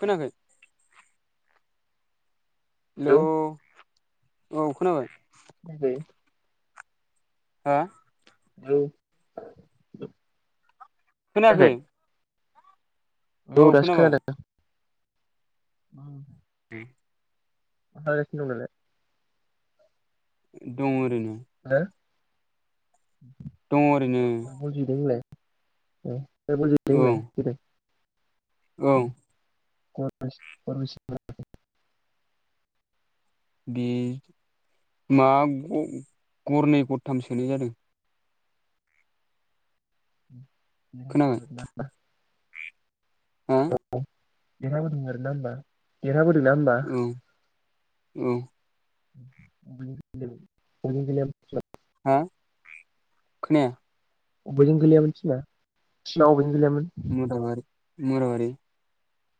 खोनायाखै? लौ हेल' औ खोनाबाय। [unintelligible] हा? औ। [inaudible] खोनाखै। ओ दासो खोनादों। [unintelligible] मा खालायगासिनो दं दालाय? दं ओरैनो। [unintelligible] दङ ओरैनो। औ। दहाय बल जाहैदों औ मोनलाय, जोहैदों? औ। [unintelligible] बे मा गरनै गरथाम सोनाय जादों खोनाबाय उ [unintelligible] हा देरहाबोदों आर ना होमा देरहाबो नंआ होमबा उम [unintelligible] हा खोनाया अबेजों गोलैयामोन थिना थिना अबे गोलैआमोन मर' हारि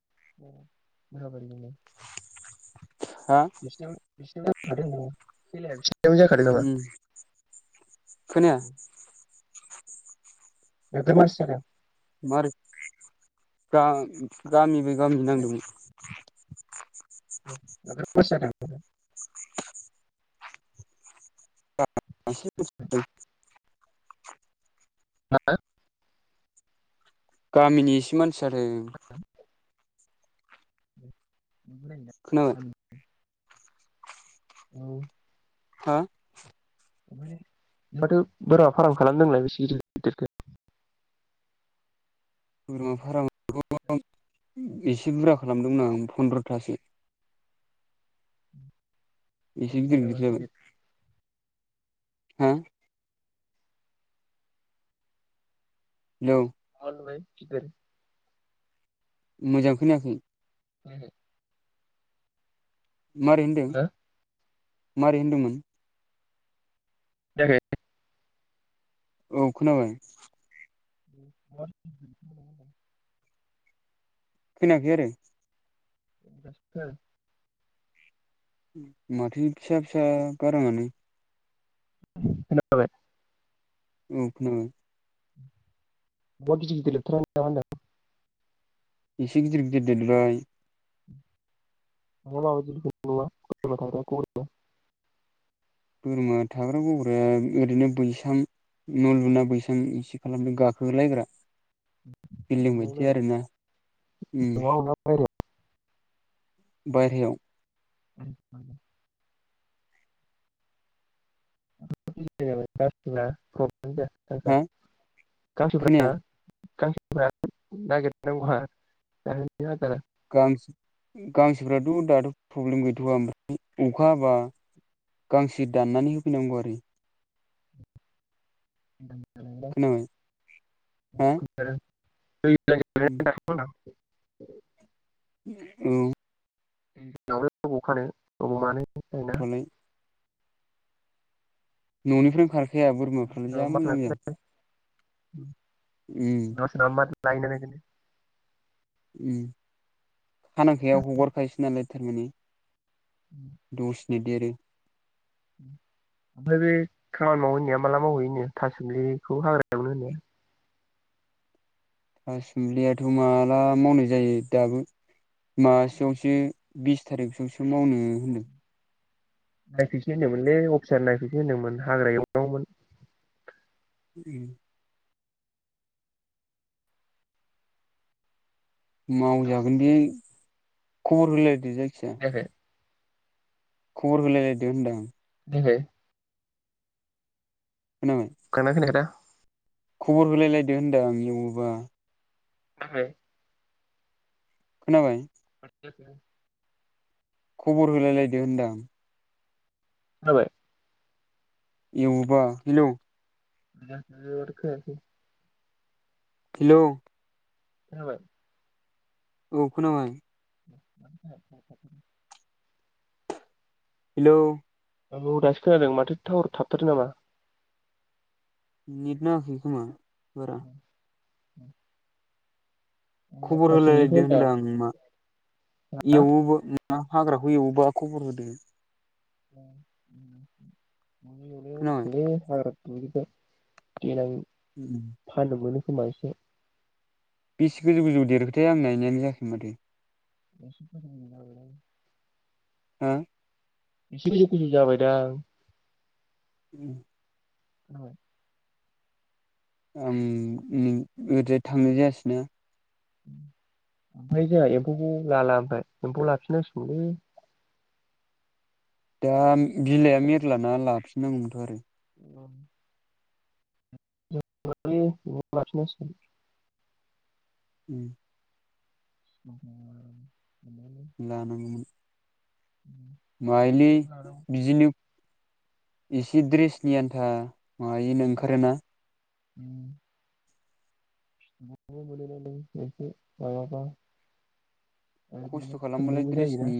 [unintelligible] हा [unintelligible] बि खल [inaudible] बे जाखार नामा उम खोनाया दाख्लै मानसि जादों मारै दां गामि बाय गामि नांदोंमोन [inaudible] [unintelligible] [unintelligible] नाङो गामिनि एसे मानसि खोनाबाय उम औ हा ओमफ्राय माथो बोरमा फार्म खालामदोंलाय बेसे गिदिर गिदिर देखो बोरमा फाराम एसे बुरजा खालामदोंमोन आं फन्द्रथासो खालामबाय नामा गिदिर [unintelligible] हा हेल' ओमफाय बेसे मोजां खोनाखै [unintelligible] मारै होनदों हो मारै होनदोंमोन [unintelligible] औ खोनाबाय मा खोनाखै आरो दासो खोनादों माथो फिसा फिसा गारांङानो खोनाबाय औ खोनाबाय बहद गिदिर गिदिर देरथारबाय नामा होनदां एसे गिदिर गिदिर देरबाय [unintelligible] बोरमा थाग्रा गग्राया ओरैनो बैसां न' लुना बैसां इसे खालामदों गाखोलायग्रा बिल्डिं बायदि न'वावनो आरोना उम न'आव ना बाहेरायाव। बाहेरायाव आरो मा हा [unintelligible] [unintelligible] खोनाया गांसो फोरा नागिरनो बहा [unintelligible] गांसो गांसोफ्राथ' दाथ' प्रशब्लेम गैथ'वा ओमफ्राय अखा बा गांसो दाननानै होफैनांगौ आरो खोनाबाय हा [unintelligible] उम [unintelligible] [inaudible] औ जोंनावहाय बबावखानो अबाव मानो [inaudible] ना होनबालाय न'निफ्रायनो खारखाया बोरमाफ्रानो जा मोजां मोजां। [inaudible] उम सोरनाबा सोरनाबा मा लायनानै [inaudible] ओम खानां खाया हगारखायोसो नालाय थारमाने ओम नो देरो ओमफाय बे खामानि मावनो होननाया माला मावहैयोनो थासुमलिखौ हाग्रा एवनो होननाया? थासुमलियाथ' माला मावनाय जायो दाबो मासेआवसो बिस थारिखसोआवसो मावनो होनदों। नायफैसै होनदोंमोनलै अफिसार नायफैसै होनदोंमोन हाग्रा एवनांगौमोन। फुरी मावजागोन बे खबर होलाय दो जायखिया खोनायाखै खबर होलायलायदो होनदां। खोनायाखै खोना खोनायाखै दा? खबर होलायलायदो होनदां एवोबा। मारै? खोनाबाय? [inaudible] खबर होलायलायदो होनदां। खोनाबाय? एवोबा हेल' मारै जाखो माथो खोनायासै‌? हेल' खोनाबाय? औ खोनाबाय। [inaudible] हेल' औ दासो खोनादों माथो टावार थाबथादो नामा? नेट नाङाखै खोमा! बारा ओं। ओं। खबर होलायलायदो होनदां मा हा एवोबा ना हाग्राखौ एवोबा खबर होदो। [inaudible] खोनाबाय [unintelligible] बिदिखौ देलाय फाननो मोनो खोमा एसे बेसे गोजौ गोजौ देरखोथाय आं नायनायानो जाखै माथो? [unintelligible] हो? एसे गोजौ जाबायदां! उम। जाबाय। ओम ओरैजाय थांनाय जायासैना। ओमफ्राय जोंहा एम्फौखौ लाला ओमफ्राय एम्फौ लाफिनांसिगौलै दा बिलाइआ मेरलाना लाफिननांगौमोनथ' आरो औ। [unintelligible] लायो लाफिननांसिगोन। उम। [inaudible] लानां गौमोन। माइलि बिजनि एसे द्रेसनि आन्था मायनो ओंखारोना। उम। मल बेसे माबाबा। आरो खस्थ' बिनो खालामबालाय खुदुंबो जायोना द्रेसनि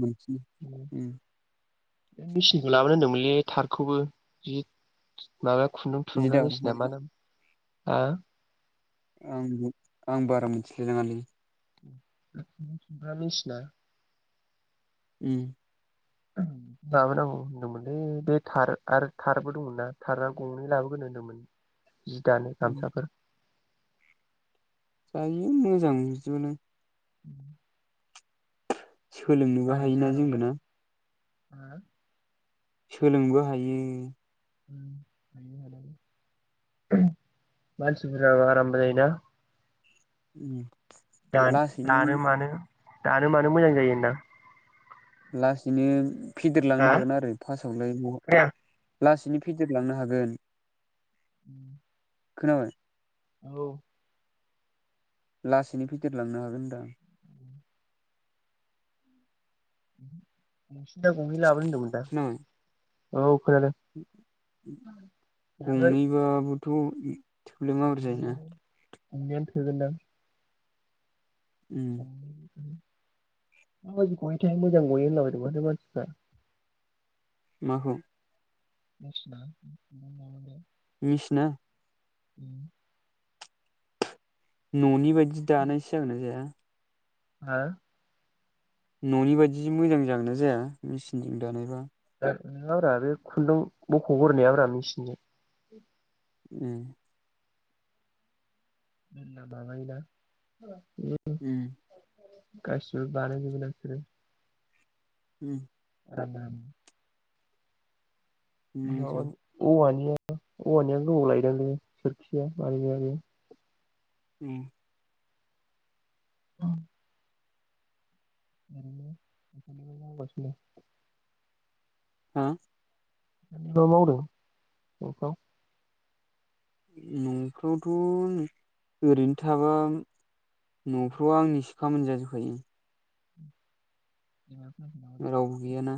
मोनफिनो बे मेचिनखौ लाबोनो होनदोंमोनलै। बे थारखौबो जि माबा खुन्दुं जि थुनग्रा दाग्राखौ मेसिना मा नाम आ आं आं बारा मोनथिलायलाङालै खुन्दुं थुनग्रा मेसिनना उम लाबोनांगौ होनदोंमोनलै बे थार आरो थारबो दंमोन ना थारना गंनै लाबो ग्रोनो होनदोंमोन जि दानो गामसाफोर [unintelligible] [inaudible] सोलोंनोबो हायोना जोंबो ना हो सोलोंनोबो हायो मानसिफोरा आराम जायो ना? उम दा दानो मानो दानो मानो मोजां जायोदा लासैनो हा फेदेरलांनो हागोन आरो फास्स्टआवलाय बहा खोनाया लासैनो फेदेरलांनो हागोन खोनाबाय औ लासैनो फेदेरलांनो हागोन होनदां सिदा गंनै लाबोनो होनदों मोनदा औ खोनादों खोनायाखै गंनैबाबो थ' थोब्ले माब्ले जायोना गंनैयानो गंनैयानो थोगोन दां उम माबादि गयोथाय मोजां गयो होनला बायदोंमाथो मानसिफ्रा माखौ [unintelligible] मिसिना उम न'नि बायदि बिदि दानायसै जागोनना जाया हा न'नि बायदि मोजां जागोन ना जाया मेचिनजों दानायबा नङाब्रा बे खुन्दुं बखगोरनायाब्रा मिसिनजों उम [unintelligible] दानायोदा ओ उम गासैबो बानाय जोबो ना‌ बिसोरो उम रानान नङा मोजां बांनो औवानि औवानिया गोबाव लायदोंलै सोरखिया बानायनाया बेयो उम औ [unintelligible] मावगासिनो हा [unintelligible] मावदों न'फ्राव न'फ्रावथ' ओरैनो थाबा न'फ्राव आंनिसो खामानि जाजोबखायो जोंहासो रावबो गैयाना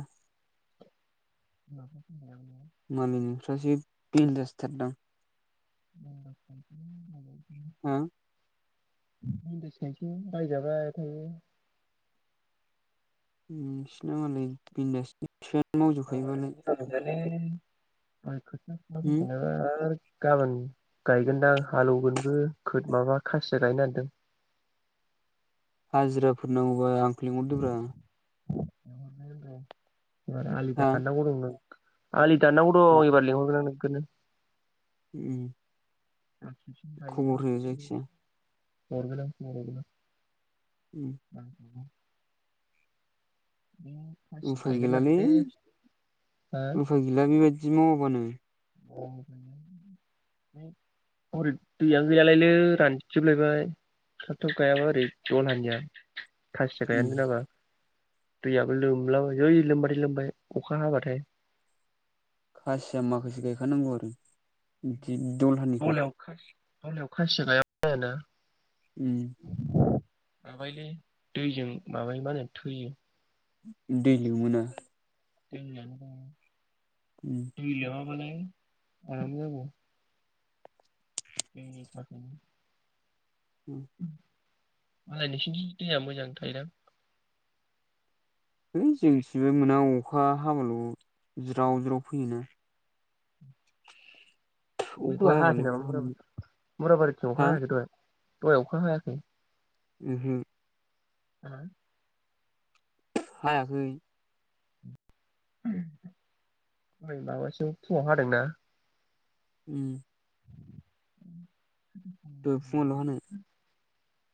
[unintelligible] मालाय नोंस्रा सो बिनदाज थार दां [unintelligible] हा बिनदास खायसो रायजाबाय थायो नोंसिना मालाय बिनदास फिफायानो मावजोबखायोबालाय ऐ आं खोद खोथिया फुना होम फैखांनाबो आर गाबोन गायगोनदां हालौवगोनबो खोद-माबा खासिया गायनागिरदों हाजिराफोर नांगौबा आं खौ लिंहरदोब्रा नागिरदों एबार आलि हा दाननांगौ दंनो आलि दाननांगौ दं एबार लिंहरगोन आं नों खोनो उम मास मोनसिम गायोना खबर हो उम जायखिजाया हरगोन आं मबाइल उम जोंनो आंखौल' खासि उफाय गैलालै गायगोरनांगोनलै हा उफाय गैला बेबायदि मावाबानो [inaudible] हरै दैया हैयालायनो रानजोबलायबाय थब थब गायाबा ओरै दलाहानिया उम थासिरायानो नामा दैयाबो लोमलाब है लोमबाथाय लोमबाय अखा हाबाथाय खाासिया माखासे गायखानांगौ आरो [inaudible] दलहानिखौ दलहायाव खाायसि गायाबा जायाना उम माबायोलै दैजों माबायो मा होनो थैयो। दै लोमोना दैयानो उम दैलोमाबा [unintelligible] बे नै थाखोनि उम मालाय नोंसोरनिथिं दैया मोजां थायोदां है जोंथिबो मोना अखा हाबाल' ज्राव ज्राव फैयोना। ओमफ्राय अखा दहाय हायाखै हायाबालाय नामा बहा बुरजा मोननो बुरजा? बुरा बारिथिं अखा हा हायाखै दहाय? दहय अखा हायाखै ओ हो उम हायाखै ओइ माबासोयाव फुङाव हादोंना उम [inaudible] दहाय फुङावल' हानाय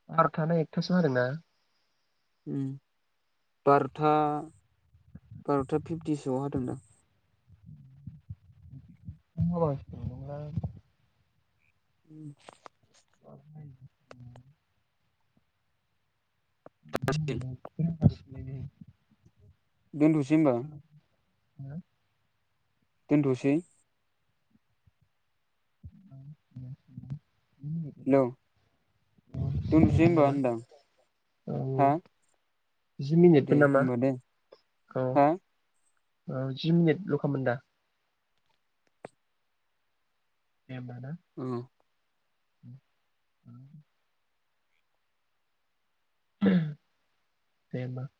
बारथा ना एकथासोआव हादों ना? उम बार'था बार'था फिफ्टिसोआव हादोंदां [unintelligible] उम [unintelligible] [inaudible] दोनथ'सै होनबा। हो दोनद'सै हेल' दोनथ'सै होनबा नामा होनदों आं हा औ जि मिनिटबो दे नामा होनबा दे। औ औ जि मिनिटल' खालामोन दा दे होनबा ना [inaudible] औ दे होनबा।